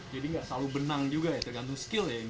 jadi gak selalu benang juga ya tergantung skill ya